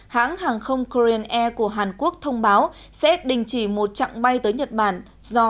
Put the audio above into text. hãng hàng không krean air của hàn quốc thông báo sẽ đình chỉ một chặng bay tới nhật bản do